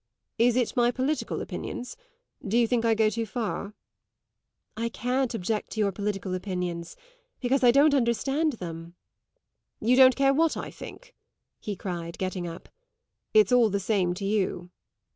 "Is it my political opinions? Do you think I go too far?" "I can't object to your political opinions, because I don't understand them." "You don't care what I think!" he cried, getting up. "It's all the same to you."